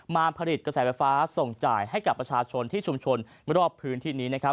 มาผลิตกระแสไฟฟ้าส่งจ่ายให้กับประชาชนที่ชุมชนรอบพื้นที่นี้นะครับ